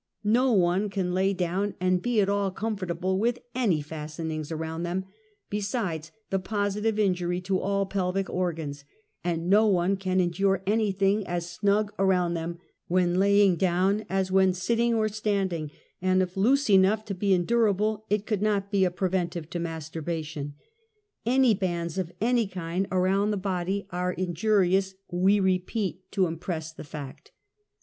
IS'o one can lay down and be at all comfortable with any fastenings around them, besides the positive injury to all pelvic organs, and no one can endure anything as snus: around them when lavino; down as when sit ting or standing, and if loose enough to be endurable, it could not be a j^f^eventive to masturbation. Any bands of any kind around the body are injurious we repeat to impress the fact.